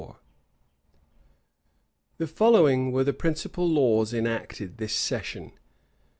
The following were the principal laws enacted this session.